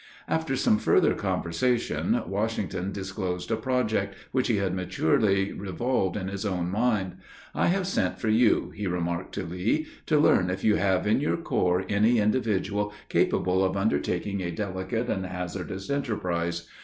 After some further conversation, Washington disclosed a project, which he had maturely revolved in his own mind. "I have sent for you," he remarked to Lee, "to learn if you have in your corps any individual capable of undertaking a delicate and hazardous enterprise.